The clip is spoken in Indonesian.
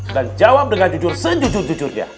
dan jawab dengan jujur sejujur jujurnya